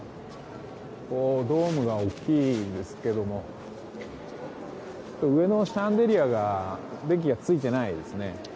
ドームが大きいですけれども上のシャンデリアが電気がついていないですね。